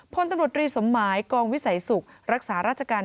พลตำรวจรีสมหมายกองวิสัยศุกร์รักษาราชการ